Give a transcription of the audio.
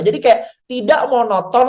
jadi kayak tidak monoton